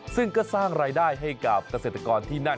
ซึ่งก็สร้างรายได้ให้กับเกษตรกรที่นั่น